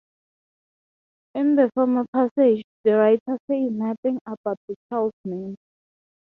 In the former passage the writer says nothing about the child's name.